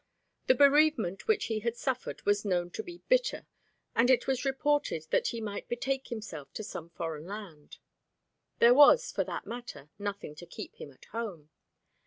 The bereavement which he had suffered was known to be bitter, and it was reported that he might betake himself to some foreign land. There was, for that matter, nothing to keep him at home.